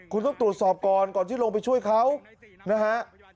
คุณต้องตรวจสอบก่อนก่อนที่ลงไปช่วยเขานะฮะ